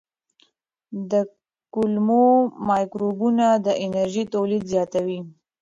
د کولمو مایکروبونه د انرژۍ تولید زیاتوي.